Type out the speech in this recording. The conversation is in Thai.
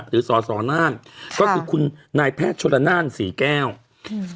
หรือสสน่านค่ะก็คือคุณนายแพทย์ชลน่านสี่แก้วอืม